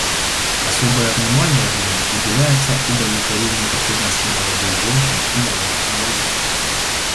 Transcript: Особое внимание в ней уделяется удовлетворению потребностей молодых женщин и молодых инвалидов.